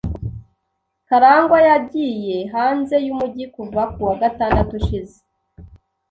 Kalangwa yagiye hanze yumujyi kuva kuwa gatandatu ushize.